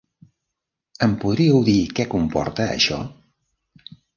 Em podríeu dir què comporta això?